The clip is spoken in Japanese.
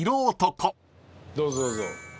どうぞどうぞ。